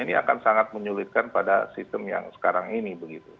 ini akan sangat menyulitkan pada sistem yang sekarang ini